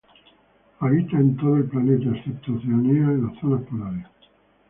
Habita en todo el planeta, excepto Oceanía y las zonas polares.